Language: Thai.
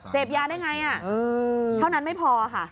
เสพยาได้ไงเท่านั้นไม่พอค่ะ